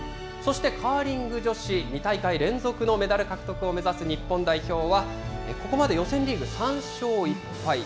そしてカーリング女子、２大会連続のメダル獲得を目指す日本代表は、ここまで予選リーグ３勝１敗。